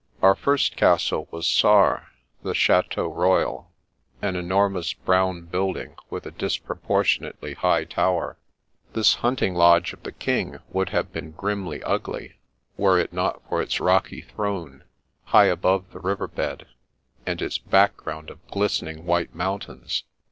Our first castle was Sarre, the Chateau Royal, an enormous brown building with a disproportionately high tower. This hunting lodge of the King would have been grimly ugly, were it not for its rocky throne, high above the river bed, and its background of glistening white mountains.